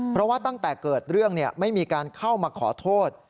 เพราะว่าตั้งแต่เกิดเรื่องไม่มีการเข้ามาขอโทษ